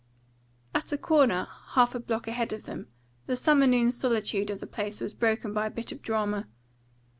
At a corner, half a block ahead of them, the summer noon solitude of the place was broken by a bit of drama.